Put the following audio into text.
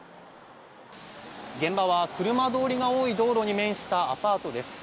現場は車通りが多い道路に面したアパートです。